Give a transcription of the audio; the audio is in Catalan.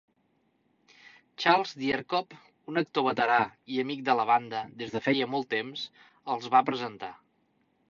Charles Dierkop, un actor veterà i amic de la banda des de feia molt temps, els va presentar.